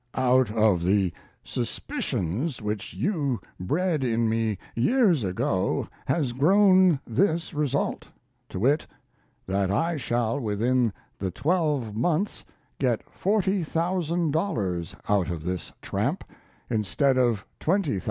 Out of the suspicions which you bred in me years ago has grown this result, to wit: that I shall within the twelve months get $40,000 out of this Tramp, instead of $20,000.